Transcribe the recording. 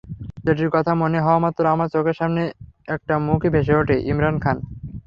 যেটির কথা মনে হওয়ামাত্র আমার চোখের সামনে একটা মুখই ভেসে ওঠে—ইমরান খান।